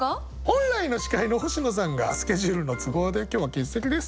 本来の司会の星野さんがスケジュールの都合で今日は欠席です。